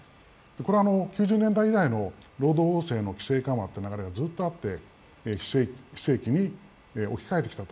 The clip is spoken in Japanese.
これは９０年代以来の労働法制の規制緩和というのがずっとあって非正規に置き換えてきたと。